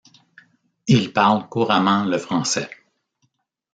Il parle couramment le Français.